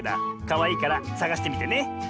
かわいいからさがしてみてね！